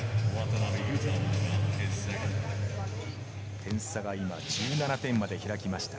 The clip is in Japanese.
点差が今１７点まで開きました。